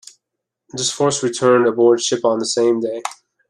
This force returned aboard ship on the same day.